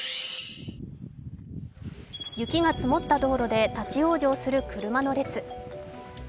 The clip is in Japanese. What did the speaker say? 雪が積もった道路で立往生する車の列。